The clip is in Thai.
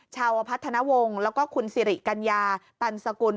ชาวพัฒนวงศ์แล้วก็คุณสิริกัญญาตันสกุล